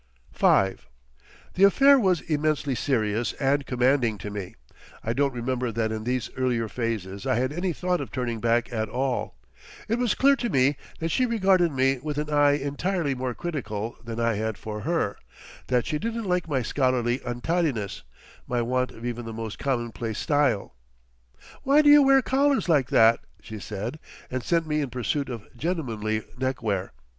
V The affair was immensely serious and commanding to me. I don't remember that in these earlier phases I had any thought of turning back at all. It was clear to me that she regarded me with an eye entirely more critical than I had for her, that she didn't like my scholarly untidiness, my want of even the most commonplace style. "Why do you wear collars like that?" she said, and sent me in pursuit of gentlemanly neckwear.